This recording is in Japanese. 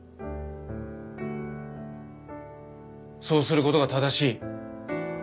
そうする事が正しい。